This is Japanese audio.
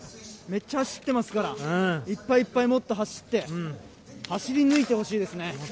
めっちゃ走ってますからいっぱいいっぱいもっと走って走り抜いてほしいですね。